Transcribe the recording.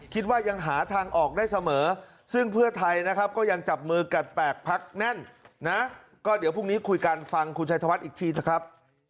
คิดว่ายังหาทางออกได้เสมอซึ่งเพื่อไทยนะครับก็ยังจับมือกัด๘พักแน่นนะก็เดี๋ยวพรุ่งนี้คุยกันฟังคุณชัยธวัฒน์อีกทีเถอะครับ